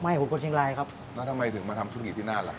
ไม่ผมคนชิงลายครับแล้วทำไมถึงมาทำชุดกี่ที่นั้นล่ะ